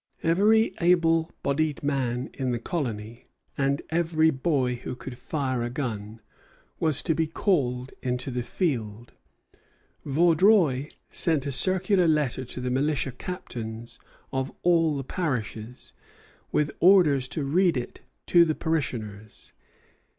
Every able bodied man in the colony, and every boy who could fire a gun, was to be called to the field. Vaudreuil sent a circular letter to the militia captains of all the parishes, with orders to read it to the parishioners.